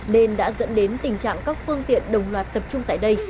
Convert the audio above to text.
nên đã dẫn đến tình trạng các phương tiện đồng loạt tập trung tại đây